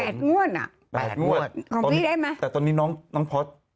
๘มวดของนี่ได้ไหมแต่ตอนนี้น้องพอส